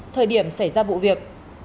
thời điểm xảy ra bụi việc